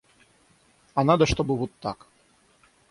А надо, чтобы вот так...